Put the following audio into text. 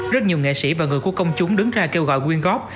rất nhiều nghệ sĩ và người của công chúng đứng ra kêu gọi quyên góp